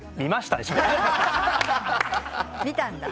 見たんだ。